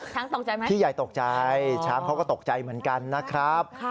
ตกใจไหมพี่ใหญ่ตกใจช้างเขาก็ตกใจเหมือนกันนะครับ